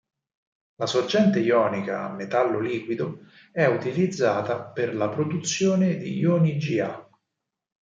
La "sorgente ionica a metallo liquido" è utilizzata per la produzione di ioni Ga.